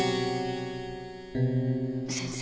先生。